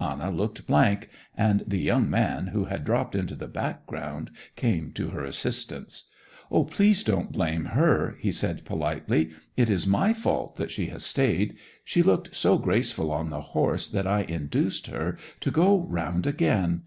Anna looked blank, and the young man, who had dropped into the background, came to her assistance. 'Please don't blame her,' he said politely. 'It is my fault that she has stayed. She looked so graceful on the horse that I induced her to go round again.